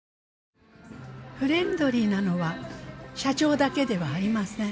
フレンドリーなのは社長だけではありません。